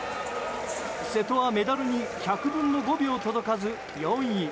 瀬戸はメダルに１００分の５秒届かず、４位。